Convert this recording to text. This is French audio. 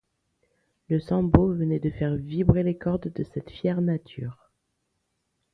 Le Sambo venait de faire vibrer les cordes de cette fière nature.